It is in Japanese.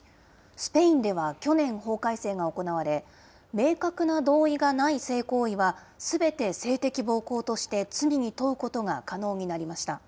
スペインでは去年法改正が行われ、明確な同意がない性行為はすべて性的暴行として罪に問うことが可能になりました。